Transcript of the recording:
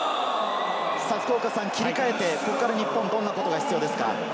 切り替えて、ここから日本、どんなことが必要ですか？